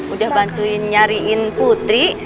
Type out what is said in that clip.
udah bantuin nyariin putri